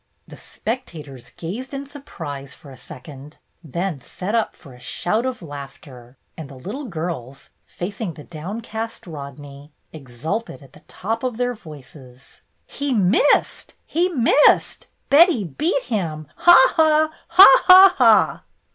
The spectators gazed in surprise for a second, then set up a shout of laughter, and the little girls, facing the downcast Rodney, exulted at the top of their voices. " He missed ! He missed ! Betty beat him ! Ha, ha ! Ha, ha!"